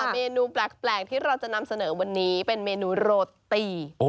เมนูแปลกที่เราจะนำเสนอวันนี้เป็นเมนูโรตี